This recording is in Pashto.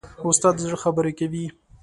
استاد د زړه خبرې کوي.